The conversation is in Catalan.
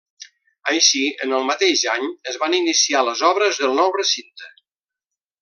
Així, en el mateix any, es van iniciar les obres del nou recinte.